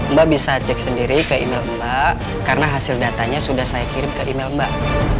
mbak bisa cek sendiri ke email mbak karena hasil datanya sudah saya kirim ke email mbak